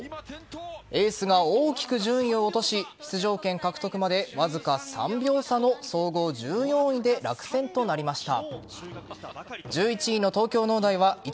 エースが大きく順位を落とし出場権獲得までわずか３秒差の総合１４位で落選となりました。